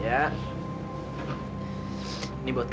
ya ini untuk